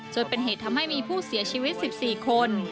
จนเป็นเหตุทำให้มีผู้เสียชีวิต๑๔คน